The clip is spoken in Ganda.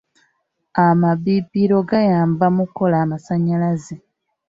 Amabibiro gayamba mu kukola amasannyalaze.